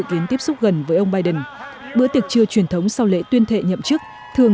đến tiếp xúc gần với ông biden bữa tiệc trưa truyền thống sau lễ tuyên thệ nhậm chức thường